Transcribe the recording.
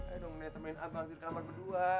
ayo dong ness temenin abang di kamar berdua